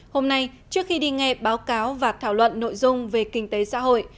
hôm nay trước khi đi nghe báo cáo và thảo luận nội dung về kinh tế xã hội